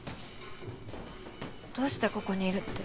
どうしてここにいるって。